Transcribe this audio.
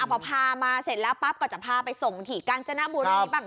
พอพามาเสร็จแล้วปั๊บก็จะพาไปส่งที่กาญจนบุรีบ้าง